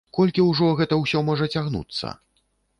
Колькі ўжо гэта ўсё можа цягнуцца?